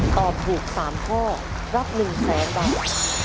ตอบถูก๓ข้อรับ๑๐๐๐๐๐บาท